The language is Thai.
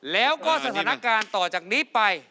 แล้วก็สถานการณ์ต่อจากนี้ไป